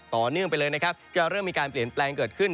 ต่อเนื่องไปเลยนะครับจะเริ่มมีการเปลี่ยนแปลงเกิดขึ้น